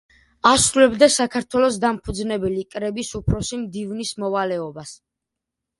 ასრულებდა საქართველოს დამფუძნებელი კრების უფროსი მდივნის მოვალეობას.